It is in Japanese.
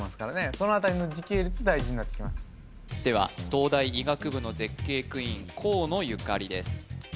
東大医学部の絶景クイーン河野ゆかりです